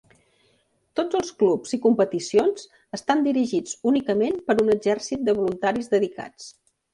Tots els clubs i competicions estan dirigits únicament per un exèrcit de voluntaris dedicats.